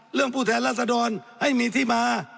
เรื่องผู้แทนรัฐสะดอนให้มีที่มา